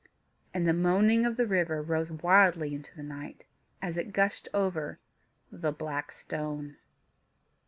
And the moaning of the river rose wildly into the night, as it gushed over The Black Stone.